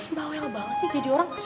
mba wel banget ya jadi orang